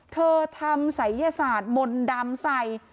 เธอทำศัยยศาสตร์มนต์ดำใส่